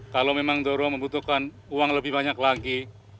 kalau memang dorong membutuhkan uang lebih banyak lagi